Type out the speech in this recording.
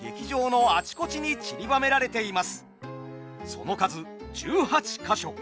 その数１８か所。